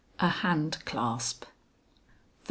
A HAND CLASP. "_Fer.